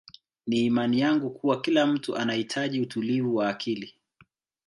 Ni imani yangu kuwa kila mtu anahitaji utulivu wa akili